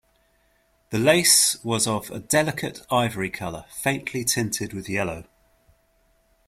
The lace was of a delicate ivory color, faintly tinted with yellow.